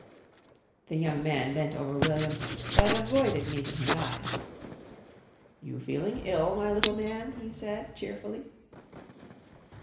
The young man bent over William, but avoided meeting his eyes. "You feeling ill, my little man?" he said cheerfully.